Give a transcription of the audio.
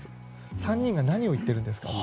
３人が何を言ってるんですかと。